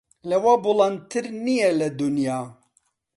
لەوە بوڵەندتر نییە لە دونیا